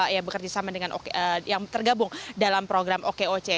yang tergabung dalam program okoc